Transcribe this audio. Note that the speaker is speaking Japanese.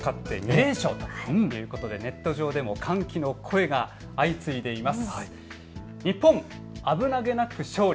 きょうも勝って２連勝ということでネット上でも歓喜の声が相次いでいます。